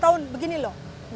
tahun tahun begini loh